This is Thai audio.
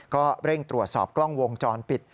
ก็เร่งตรวจสอบกล้องวงจรปิด